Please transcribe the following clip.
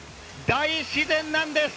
大自然なんです！